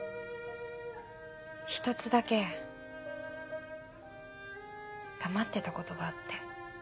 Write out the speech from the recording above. １つだけ黙ってたことがあって。